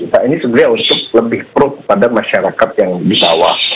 kita ini sebenarnya untuk lebih pro kepada masyarakat yang di bawah